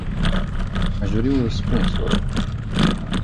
Aș dori un răspuns, vă rog.